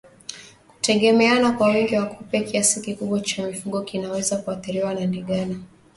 Kutegemeana na wingi wa kupe kiasi kikubwa cha mifugo kinaweza kuathiriwa na ndigana